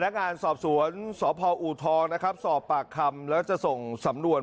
งานสอบสวนสพอูทองนะครับสอบปากคำแล้วจะส่งสำนวน